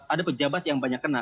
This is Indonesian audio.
ada pejabat yang banyak kena